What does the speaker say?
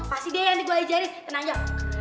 pasti deh nanti gue ajarin tenang ya